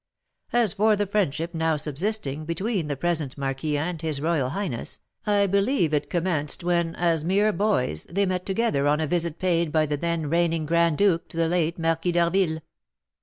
As for the friendship now subsisting between the present marquis and his royal highness, I believe it commenced when, as mere boys, they met together on a visit paid by the then reigning grand duke to the late Marquis d'Harville."